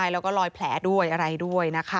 แล้วก็ลอยแผลด้วยอะไรด้วยนะคะ